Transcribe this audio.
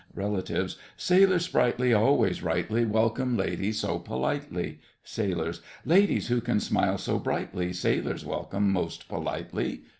REL. Sailors sprightly Always rightly Welcome ladies so politely. SAILORS. Ladies who can smile so brightly, Sailors welcome most politely.